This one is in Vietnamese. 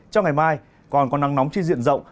trong ngày mai còn có nắng nóng chi diện rộng